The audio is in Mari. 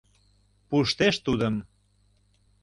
— Пуштеш тудым!